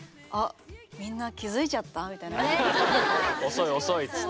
遅い遅いっつって。